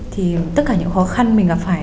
thì tất cả những khó khăn mình gặp phải